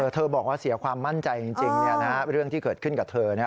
เธอบอกว่าเสียความมั่นใจจริงเรื่องที่เกิดขึ้นกับเธอ